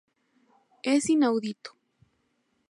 Es inaudito".